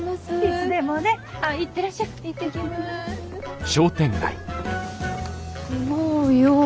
住もうよ。